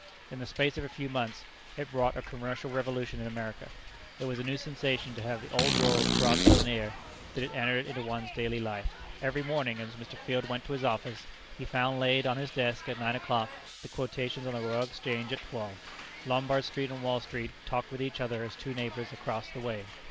In the space of a few months it wrought a commercial revolution in America. It was a new sensation to have the Old World brought so near, that it entered into one's daily life. Every morning, as Mr. Field went to his office, he found laid on his desk at nine o'clock the quotations on the Royal Exchange at twelve! Lombard Street and Wall Street talked with each other as two neighbors across the way.